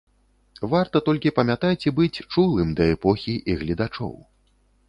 Варта толькі памятаць і быць чулым да эпохі і гледачоў.